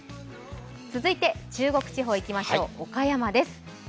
続いて中国地方いきましょう岡山です。